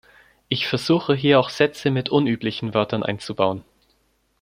Ich versuche hier auch Sätze mit unüblichen Wörtern einzubauen.